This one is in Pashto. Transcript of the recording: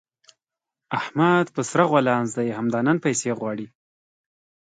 احمد په سره غولانځ دی؛ همدا نن پيسې غواړي.